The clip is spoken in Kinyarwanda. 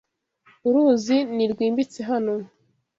Uruzi ni rwimbitse hano.